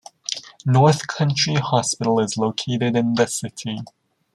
North Country Hospital is located in the city.